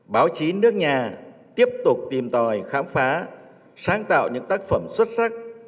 báo chí nước nhà tiếp tục tìm tòi khám phá sáng tạo những tác phẩm xuất sắc